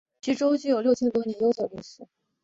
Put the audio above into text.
徐州具有六千多年悠久的历史。